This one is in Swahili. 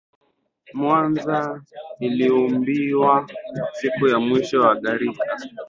Kongolomwanza iliumbiwaka siku ya mwisho wa garika